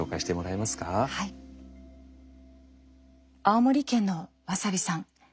青森県のわさびさん。